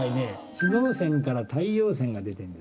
知能線から太陽線が出てるんですこれ。